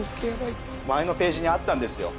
前のページにあったんですよ